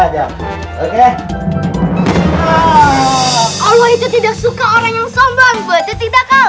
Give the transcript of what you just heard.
ya oke allah itu tidak suka orang yang sombong betul tidak